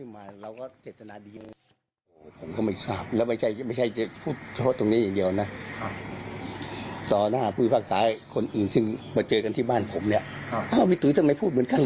มาเจอกันที่บ้านผมเนี่ยอ้อวิธีสิทำไมพูดเหมือนกันนะ